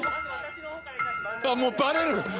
あっもうバレる！